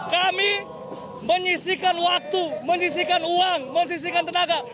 kami menyisikan waktu menyisikan uang menyisihkan tenaga